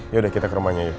yaudah kita ke rumahnya itu